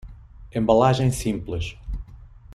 Embalagem simples